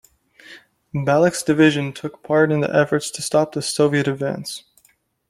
Balck's division took part in the efforts to stop the Soviet advance.